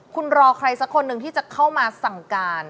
คุณรอใครสักคนหนึ่งที่จะเข้ามาสั่งการ